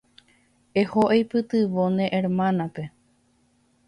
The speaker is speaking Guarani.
Eho eipytyvõ ne hermanape.